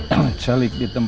kepada generasi sekarang